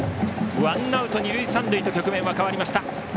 ワンアウト、二塁三塁と局面は変わりました。